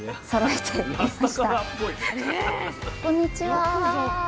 こんにちは！